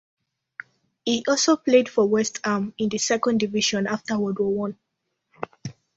He also played for West Ham in the Second Division after World War One.